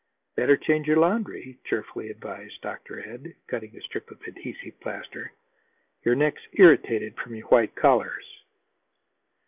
"Better change your laundry," cheerfully advised Dr. Ed, cutting a strip of adhesive plaster. "Your neck's irritated from your white collars."